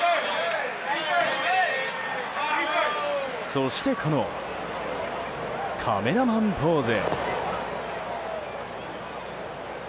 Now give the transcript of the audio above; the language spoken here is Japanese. そしてこのカメラマンポーズ。